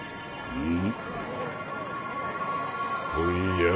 うん。